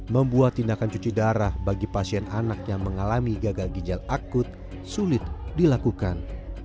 membuat tindakan cuci darah bagi pasien anak yang mengalami gagal ginjal akut sulit dilakukan